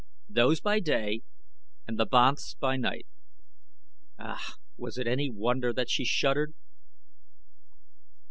Those by day and the banths by night! Ah, was it any wonder that she shuddered?